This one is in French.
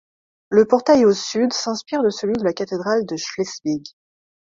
Le portail au sud s'inspire de celui de la cathédrale de Schleswig.